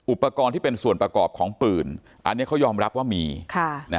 อุปกรณ์ที่เป็นส่วนประกอบของปืนอันนี้เขายอมรับว่ามีค่ะนะ